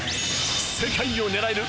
世界を狙える